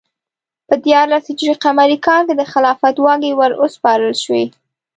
په دیارلس ه ق کال کې د خلافت واګې وروسپارل شوې.